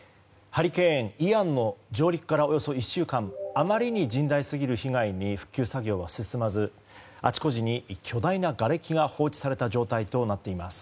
ハリケーン、イアンの上陸からおよそ１週間あまりに甚大すぎる被害に復旧作業は進まずあちこちに、巨大ながれきが放置された状態となっています。